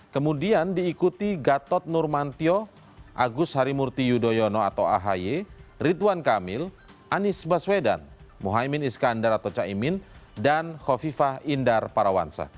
kemudian diikuti gatot nurmantio agus harimurti yudhoyono atau ahy ridwan kamil anies baswedan mohaimin iskandar atau caimin dan hovifah indar parawansa